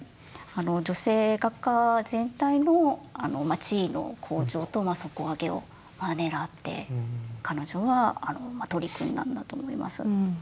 女性画家全体の地位の向上と底上げをねらって彼女は取り組んだんだと思います。